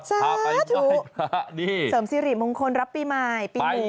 สาธุเสริมสิริมงคลรับปีใหม่ปีหมู่